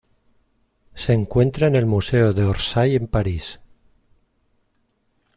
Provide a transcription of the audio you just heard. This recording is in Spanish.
Se encuentra en el Museo de Orsay en París.